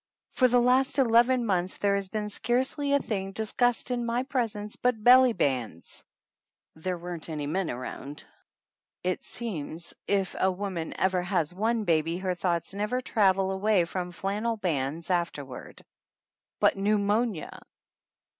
"For the last eleven months there has been scarcely 180 THE ANNALS OF ANN a thing discussed in my presence but belly bands!" (There weren't any men around.) "It seems if a woman ever has one baby her thoughts never travel away from flannel bands afterward !" "But pneumonia